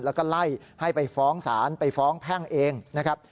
แล้วก็ไล่ให้ไปฟ้องศาลไปฟ้องแพ่งเองนะครับ